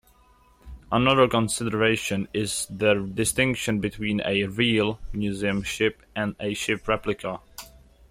Another consideration is the distinction between a "real" museum ship, and a ship replica.